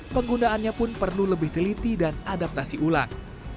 penggunaannya pun perlu lebih teliti dan adaptasi ulang